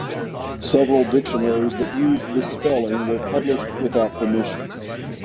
Several dictionaries that used this spelling were published without permission.